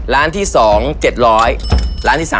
ร้านที่๒๗๐๐ร้านที่๓